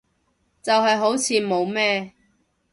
就係好似冇咩